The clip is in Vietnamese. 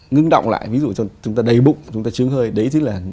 ngưng động lại ví dụ chúng ta đầy bụng chúng ta chướng hơi đấy chính là